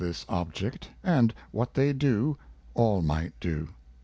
437 this object, and what they do, all might do.